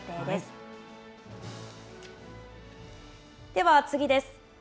では、次です。